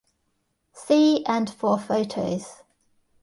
See and for photos.